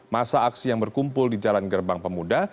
masa aksi yang berkumpul di jalan gerbang pemuda